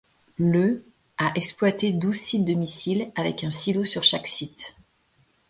Le a exploité douze sites de missiles, avec un silo sur chaque site.